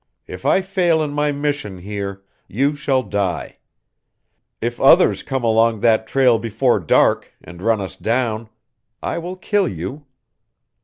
If I fail in my mission here, you shall die. If others come along that trail before dark, and run us down, I will kill you.